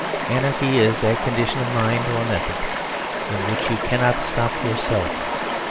Anarchy is that condition of mind or methods in which you cannot stop yourself.